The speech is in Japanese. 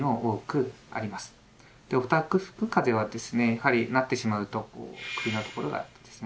やはりなってしまうと首のところがですね